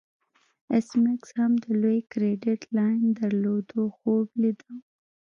ایس میکس هم د لوی کریډیټ لاین درلودلو خوب لیده